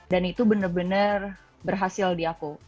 dan itu benar benar berhasil di aku